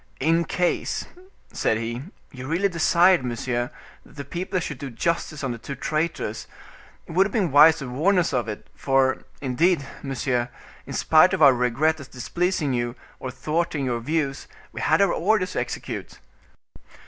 "In case," said he, "you really desired, monsieur, that the people should do justice on the two traitors, it would have been wise to warn us of it; for, indeed, monsieur, in spite of our regret at displeasing you, or thwarting your views, we had our orders to execute."